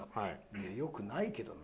いやよくないけどな。